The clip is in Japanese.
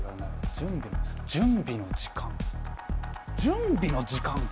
準備の準備の時間準備の時間か。